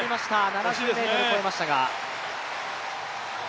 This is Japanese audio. ７０ｍを越えましたが。